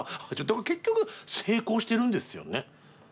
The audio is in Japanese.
結局成功してるんですよね。